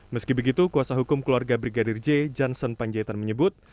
meski begitu kuasa hukum keluarga brigadir j johnson panjaitan menyebut